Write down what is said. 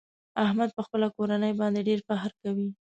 احمد په خپله کورنۍ باندې ډېر فخر کوي.